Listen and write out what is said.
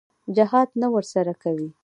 جهاد نه ورسره کوي.